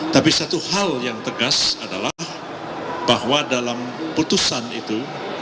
tapi satu hal yang tegas adalah bahwa dalam putusan itu